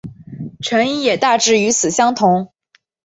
成因也大致与此相同。